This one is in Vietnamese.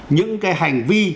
những cái hành vi